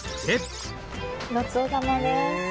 ごちそうさまです。